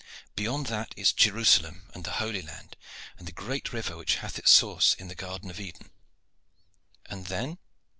"Beyond that is Jerusalem and the Holy Land, and the great river which hath its source in the Garden of Eden." "And then?"